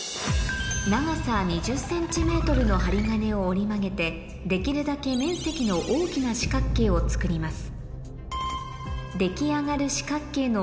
長さ２０ｃｍの針金を折り曲げてできるだけ面積の大きな四角形を作ります